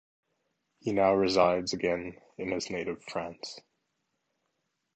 He now resides again in his native France.